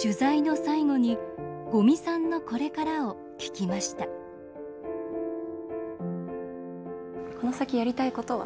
取材の最後に、五味さんのこれからを聞きましたこの先やりたいことは？